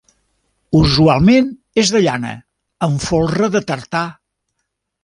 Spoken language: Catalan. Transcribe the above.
Usualment és de llana, amb folre de tartà.